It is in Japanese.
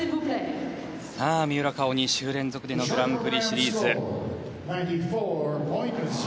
三浦佳生、２週連続でのグランプリシリーズ。